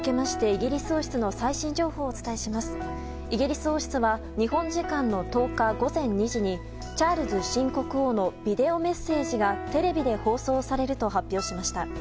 イギリス王室は日本時間の１０日午前２時にチャールズ新国王のビデオメッセージがテレビで放送されると発表されました。